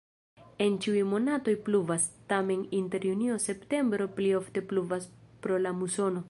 En ĉiuj monatoj pluvas, tamen inter junio-septembro pli ofte pluvas pro la musono.